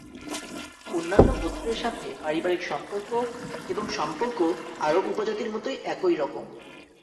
অন্যান্য গোত্রের সাথে পারিবারিক সম্পর্ক এবং সম্পর্ক আরব উপজাতির মতোই একই রকম।